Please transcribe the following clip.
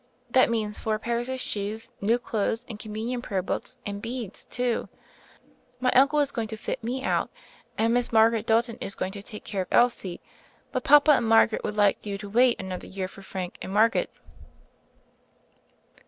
That means four pairs of shoes, new clothes, and Communion prayer books and beads, too. My uncle is going to fit me out, and Miss Margaret Dalton is going to take care of Elsie, but papa and mama would like you to wait an other year for Frank and Margaret."